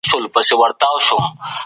استاد وويل چی ټولنيز عدالت بايد هېر نشي.